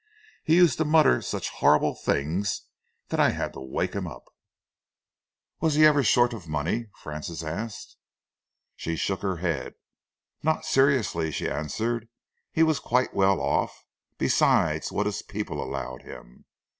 He used to mutter such horrible things that I had to wake him up." "Was he ever short of money?" Francis asked. She shook her head. "Not seriously," she answered. "He was quite well off, besides what his people allowed him.